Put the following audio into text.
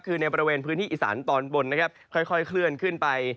คือในบริเวณพื้นที่อีสานตอนบนนะครับค่อยเคลื่อนขึ้นไป